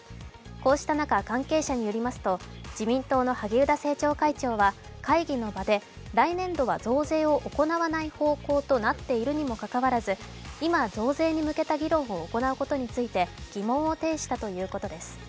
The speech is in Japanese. こうした中、関係者によりますと自民党の萩生田政調会長は会議の場で、来年度は増税を行わない方向となっているにもかかわらず今、増税に向けた議論を行うことについて疑問を呈したということです。